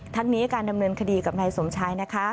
ทั้งนี้การดำเนินคดีกับนายสมชายนะคะ